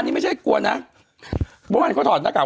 นวดเฟิบเลยนะก็เลยไม่ไม่ถอดหน้ากาก